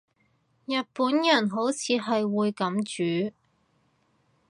日本人好似係會噉煮